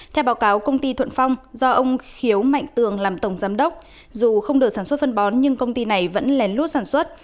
theo báo cáo công ty thuận phong do ông khiếu mạnh tường làm tổng giám đốc dù không được sản xuất phân bón nhưng công ty này vẫn lén lút sản xuất